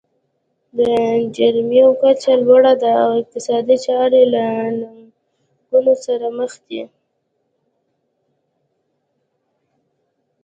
د جرایمو کچه لوړه ده او اقتصادي چارې له ننګونو سره مخ دي.